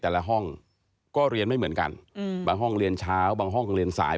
ห้องก็เรียนไม่เหมือนกันบางห้องเรียนเช้าบางห้องเรียนสาย